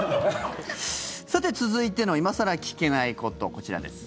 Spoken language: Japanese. さて、続いての今更聞けないこと、こちらです。